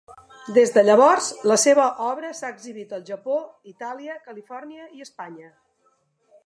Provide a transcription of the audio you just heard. Des de llavors, la seva obra s'ha exhibit al Japó, Itàlia, Califòrnia i Espanya.